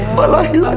malahi lari allah